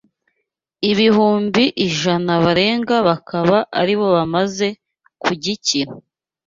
Ibihumbi ijana barenga bakaba ari bo bamaze kugikira